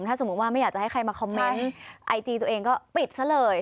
ถ้าสมมุติว่าไม่อยากจะให้ใครมาคอมเมนต์ไอจีตัวเองก็ปิดซะเลย